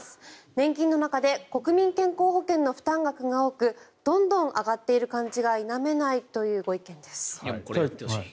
年金の中で国民健康保険の負担が多くどんどん上がっている感じが否めないというご意見です。